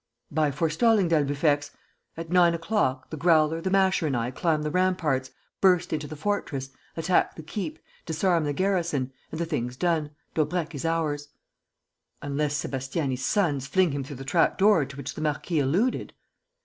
"By forestalling d'Albufex. At nine o'clock, the Growler, the Masher and I climb the ramparts, burst into the fortress, attack the keep, disarm the garrison ... and the thing's done: Daubrecq is ours." "Unless Sébastiani's sons fling him through the trapdoor to which the marquis alluded...."